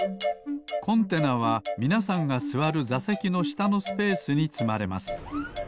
コンテナはみなさんがすわるざせきのしたのスペースにつまれます。